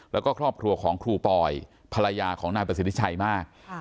แล้วก็ครอบครัวของครูปอยภรรยาของนายประสิทธิชัยมาก